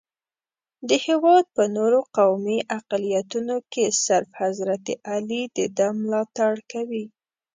د هېواد په نورو قومي اقلیتونو کې صرف حضرت علي دده ملاتړ کوي.